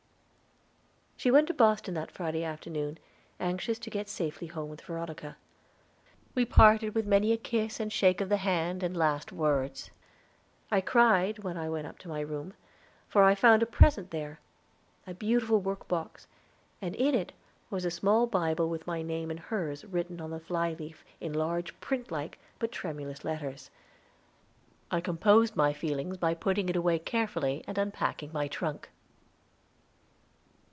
She went to Boston that Friday afternoon, anxious to get safely home with Veronica. We parted with many a kiss and shake of the hand and last words. I cried when I went up to my room, for I found a present there a beautiful workbox, and in it was a small Bible with my name and hers written on the fly leaf in large print like, but tremulous letters. I composed my feelings by putting it away carefully and unpacking my trunk.